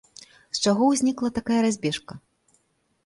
З чаго ўзнікла такая разбежка?